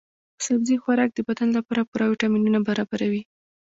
سبزي خوراک د بدن لپاره پوره ويټامینونه برابروي.